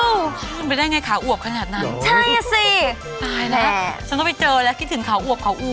แม่งไปได้ไงขาอวบขนาดนั้นใช่อะสิไปนะฉันก็ไปเจอแล้วคิดถึงขาอวบนะ